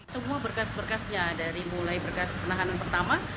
semua berkas berkasnya dari mulai berkas penahanan pertama